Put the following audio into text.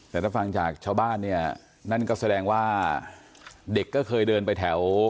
แต่ถ้าฟังจากชาวบ้านเนี่ยนั่นก็แสดงว่าเด็กก็เคยเดินไปแถว